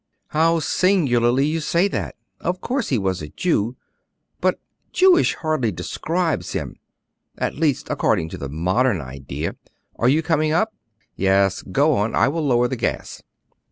"How singularly you say that! Of course he was a Jew; but Jewish hardly describes him, at least, according to the modern idea. Are you coming up?" "Yes. Go on; I will lower the gas."